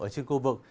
ở trên khu vực